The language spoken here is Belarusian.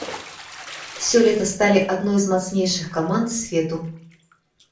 Сёлета сталі адной з мацнейшых каманд свету.